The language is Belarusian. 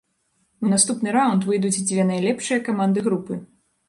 У наступны раўнд выйдуць дзве найлепшыя каманды групы.